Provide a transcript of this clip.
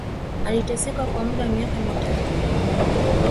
Aliteseka kwa muda wa miaka mitatu